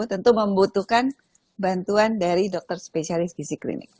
tentu membutuhkan bantuan dari dokter spesialis gizi klinik